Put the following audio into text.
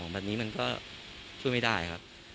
แบบนี้มันก็ช่วยไม่ได้ครับ